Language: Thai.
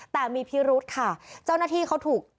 แต่มีพิรุธค่ะเจ้าหน้าที่เขาถูก